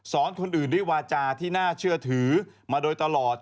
คนอื่นด้วยวาจาที่น่าเชื่อถือมาโดยตลอด